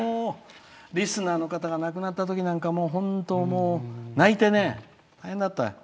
リスナーの方が亡くなったときなんかは泣いて大変だった。